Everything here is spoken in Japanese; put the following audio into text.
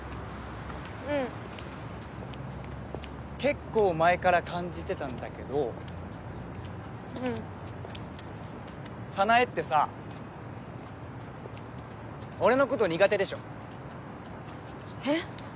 うん結構前から感じてたんだけどうん早苗ってさ俺のこと苦手でしょえっ？